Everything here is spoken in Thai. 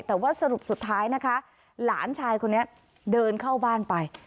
แต่ว่าสรุปสุดท้ายนะคะหลานชายคนนี้เดินเข้าบ้านไป